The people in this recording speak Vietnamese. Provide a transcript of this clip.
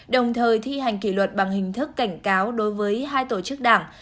đồng thời thi hành kỷ luật bằng hình thức cảnh cáo đối với hai tổ chức đảng